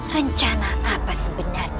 rencana apa sebenarnya